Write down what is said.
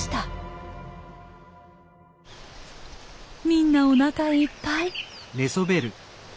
みんなおなかいっぱい。